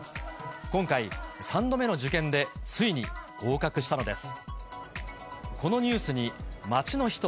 今回、３度目の受験でついに合格したのです。